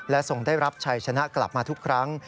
ทรงได้รับชัยชนะกลับมาทุกครั้ง